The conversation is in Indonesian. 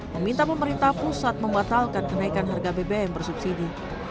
meminta pemerintah pusat membatalkan kenaikan harga bbm bersubsidi